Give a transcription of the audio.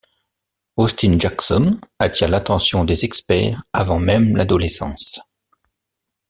Austin Jackson attire l'attention des experts avant même l'adolescence.